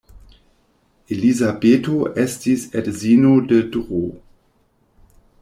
Elizabeto estis edzino de Dro.